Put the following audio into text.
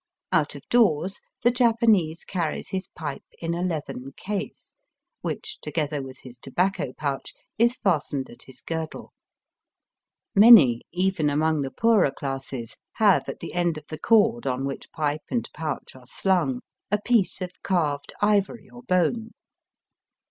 Out of doors the Japanese carries his pipe in a leathern case, which, together with his tobacco pouch, is fastened at his girdle. Many, even among the poorer classes, have at the end of the cord on which pipe and pouch are slung, a piece of carved ivory or bone.